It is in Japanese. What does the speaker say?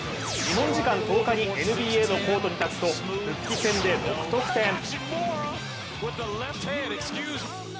日本時間１０日にＮＢＡのコートに立つと復帰戦で６得点。